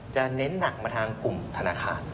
เน้นหนักมาทางกลุ่มธนาคาร